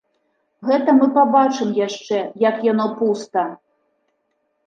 Гэта мы пабачым яшчэ, як яно пуста!